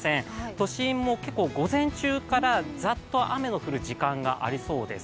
都心も午前中からざっと雨の降る時間がありそうです。